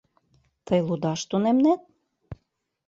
— Тый лудаш тунемнет?